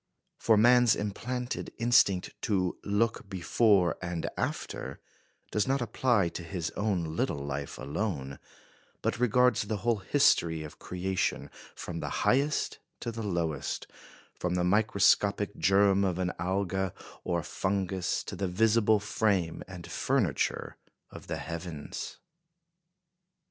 For man's implanted instinct to "look before and after" does not apply to his own little life alone, but regards the whole history of creation, from the highest to the lowest from the microscopic germ of an alga or a fungus to the visible frame and furniture of the heavens.